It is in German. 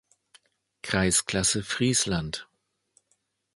Kreisklasse Friesland.